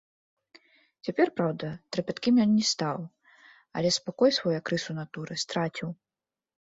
Цяпер, праўда, трапяткім ён не стаў, але спакой свой, як рысу натуры, страціў.